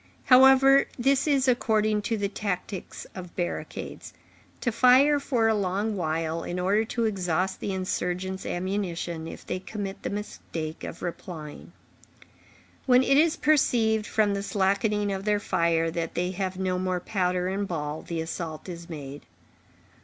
However, this is according to the tactics of barricades; to fire for a long while, in order to exhaust the insurgents' ammunition, if they commit the mistake of replying. When it is perceived, from the slackening of their fire, that they have no more powder and ball, the assault is made.